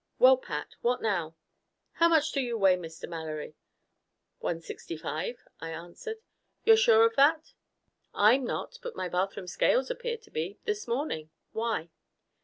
"Well, Pat? What now?" "How much do you weigh, Mr. Mallory?" "One sixty five," I answered. "You're sure of that?" "I'm not. But my bathroom scales appeared to be. This morning. Why?"